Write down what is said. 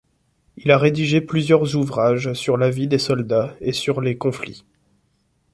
Il a rédigé plusieurs ouvrages sur la vie des soldats et sur les conflits.